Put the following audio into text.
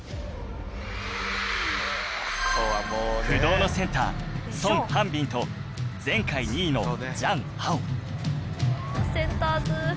不動のセンターソン・ハンビンと前回２位のジャン・ハオセンターズ。